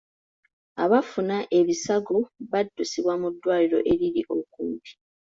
Abaafuna ebisago b'addusibwa mu ddwaliro eriri okumpi.